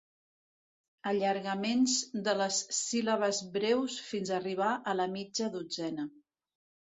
Allargaments de les síl·labes breus fins arribar a la mitja dotzena.